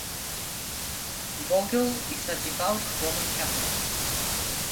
Vogel is a devout Roman Catholic.